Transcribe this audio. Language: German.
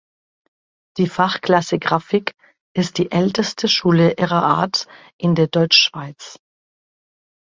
Die Fachklasse Grafik ist die älteste Schule ihrer Art in der Deutschschweiz.